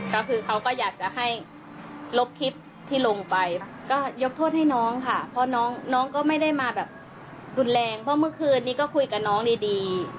ก็คือเขาก็อยากจะให้ลบคลิปที่ลงไปก็ยกโทษให้น้องค่ะเพราะน้องก็ไม่ได้มาแบบรุนแรงเพราะเมื่อคืนนี้ก็คุยกับน้องดี